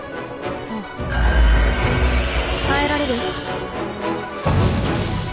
そう耐えられる？